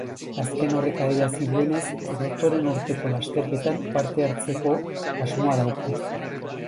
Azken horrek adierazi duenez, datorren urteko lasterketan parte hartzeko asmoa dauka.